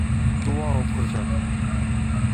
Duo o’qirdim